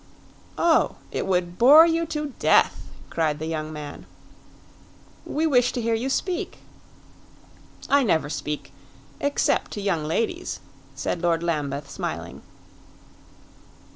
"Oh, it would bore you to death!" cried the young man. "We wish to hear you speak." "I never speak except to young ladies," said Lord Lambeth, smiling.